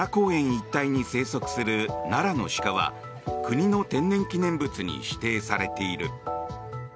一帯に生息する奈良の鹿は国の天然記念物に指定されている。